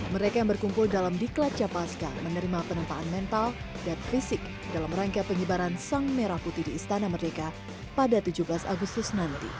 mereka yang berkumpul dalam diklat capaska menerima penumpang mental dan fisik dalam rangka penyebaran sang merah putih di istana merdeka pada tujuh belas agustus nanti